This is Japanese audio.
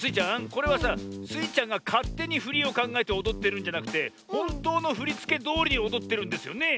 これはさスイちゃんがかってにふりをかんがえておどってるんじゃなくてほんとうのふりつけどおりにおどってるんですよね？